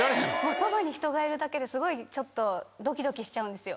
そばに人がいるだけですごいちょっとドキドキしちゃうんですよ